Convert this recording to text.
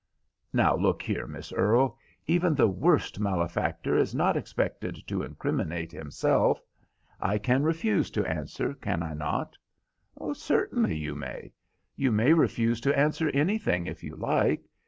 "Now, look here, Miss Earle, even the worst malefactor is not expected to incriminate himself. I can refuse to answer, can I not?" "Certainly you may. You may refuse to answer anything, if you like.